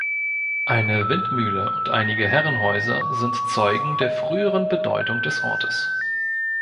Eine Windmühle und einige Herrenhäuser sind Zeugen der früheren Bedeutung des Ortes.